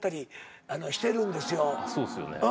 そうですよね。